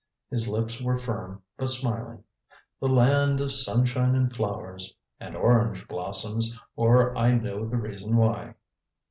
His lips were firm but smiling. "The land of sunshine and flowers and orange blossoms or I know the reason why."